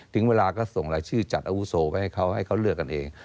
ถึงเวลาก็ส่งรายชื่อจัดอาวุโสไปให้เขาให้เขาเลือกกันเอง